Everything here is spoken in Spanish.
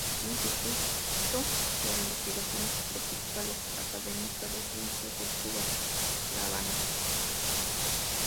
Instituto de Investigaciones Tropicales, Academia de Ciencias de Cuba, La Habana.